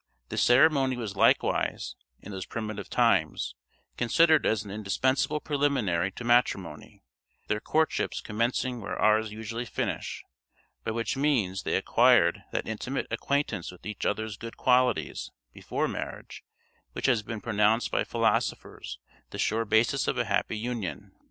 This ceremony was likewise, in those primitive times, considered as an indispensable preliminary to matrimony, their courtships commencing where ours usually finish; by which means they acquired that intimate acquaintance with each other's good qualities before marriage, which has been pronounced by philosophers the sure basis of a happy union.